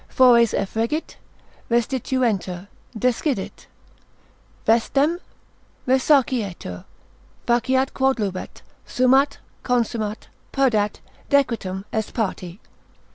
Fores effregit? restituentur: descidit Vestem? resarcietur.—Faciat quod lubet, Sumat, consumat, perdat, decretum est pati.